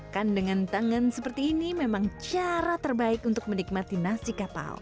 makan dengan tangan seperti ini memang cara terbaik untuk menikmati nasi kapal